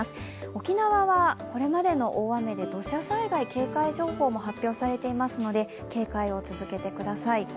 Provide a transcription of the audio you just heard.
沖縄は、これまでの大雨で土砂災害警戒情報も発表されていますので、警戒を続けてください。